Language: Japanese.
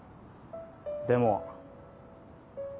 でも。